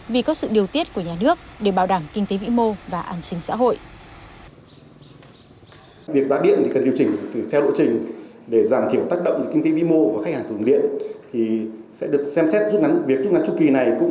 vì có sự điều tiết của nhà nước để bảo đảm kinh tế vĩ mô và an sinh xã hội